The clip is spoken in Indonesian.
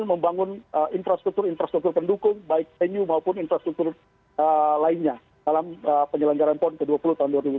membangun infrastruktur infrastruktur pendukung baik venue maupun infrastruktur lainnya dalam penyelenggaran pon ke dua puluh tahun dua ribu dua puluh